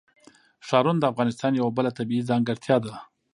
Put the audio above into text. ښارونه د افغانستان یوه بله طبیعي ځانګړتیا ده.